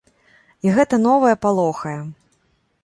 І гэта новае палохае.